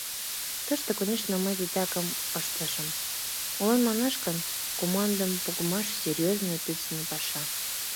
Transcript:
Тыште, конешне, мый титакым ыштышым: молан манаш гын, командым погымаш — серьёзный, ответственный паша.